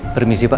terima kasih pak